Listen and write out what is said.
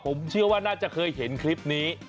ผมเชื่อว่าน่าจะเคยเห็นคลิปนี้